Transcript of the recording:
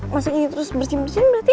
masaknya terus bersih bersihin berarti